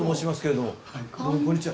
どうもこんにちは。